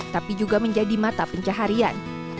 tapi juga menjadi mata pencaharian